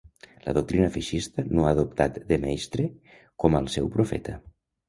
La doctrina feixista no ha adoptat De Maistre com al seu profeta.